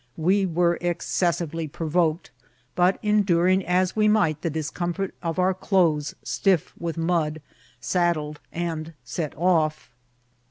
We were excessively provoked ; but, enduring as we might the discomfort of our clothes stiff with mud, sad dled and set off.